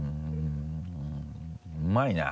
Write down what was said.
うまいな。